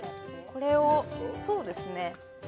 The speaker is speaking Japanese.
これをそうですね